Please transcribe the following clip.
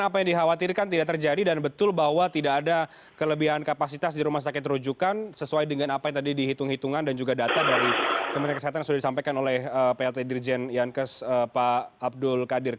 dan apa yang dikhawatirkan tidak terjadi dan betul bahwa tidak ada kelebihan kapasitas di rumah sakit terujukan sesuai dengan apa yang tadi dihitung hitungan dan juga data dari kementerian kesehatan yang sudah disampaikan oleh plt dirjen yankes pak abdul kadir